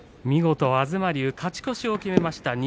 見事と東龍は勝ち越しを決めました。